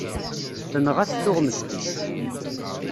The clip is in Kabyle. Tenɣa-t tuɣmest-is.